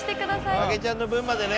影ちゃんの分までね。